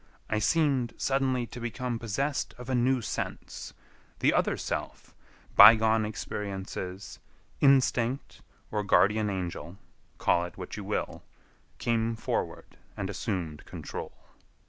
I seemed suddenly to become possessed of a new sense. The other self, bygone experiences, Instinct, or Guardian Angel,—call it what you will,—came forward and assumed control.